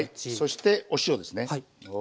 そしてお塩ですね。